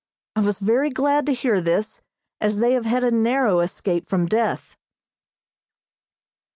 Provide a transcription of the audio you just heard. I was very glad to hear this, as they have had a narrow escape from death.